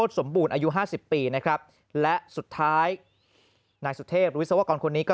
สมบูรณ์อายุห้าสิบปีนะครับและสุดท้ายนายสุเทพวิศวกรคนนี้ก็